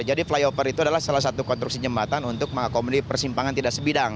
flyover itu adalah salah satu konstruksi jembatan untuk mengakomodir persimpangan tidak sebidang